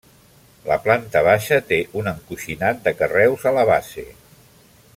La planta baixa té un encoixinat de carreus a la base.